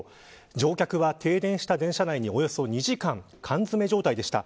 乗客は停電した電車内におよそ２時間、缶詰状態でした。